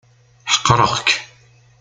Ḥeqreɣ-k.